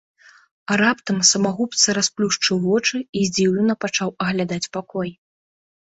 Раптам самагубца расплюшчыў вочы і здзіўлена пачаў аглядаць пакой.